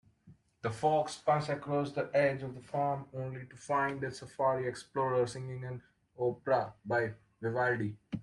The fox pounced across the edge of the farm, only to find a safari explorer singing an opera by Vivaldi.